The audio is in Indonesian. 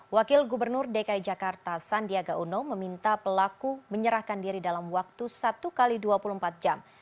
wakil gubernur dki jakarta sandiaga uno meminta pelaku menyerahkan diri dalam waktu satu x dua puluh empat jam